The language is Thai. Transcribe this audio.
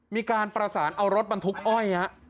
มีการประสานเอารถบรรทุกอ้อยฮะ